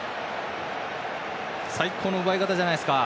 最高の奪い方じゃないですか。